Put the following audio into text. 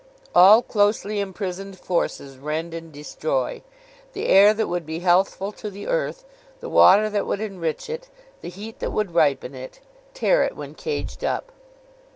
All closely imprisoned forces rend and destroy. The air that would be healthful to the earth, the water that would enrich it, the heat that would ripen it, tear it when caged up.